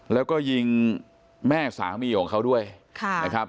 แล้วก็ยิงแม่สามีของเขาด้วยนะครับ